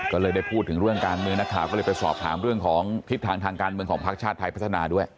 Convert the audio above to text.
ก็เลยได้พูดถึงเรื่องการเมืองนักข่าวก็เลยไปสอบถามเรื่องของทิศทางทางการเมืองของพักชาติไทยพัฒนาด้วย